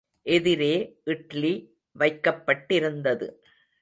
எதிரே இட்லி வைக்கப்பட்டிருந்தது.